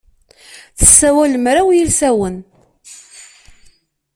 Tessawal mraw yilsawen.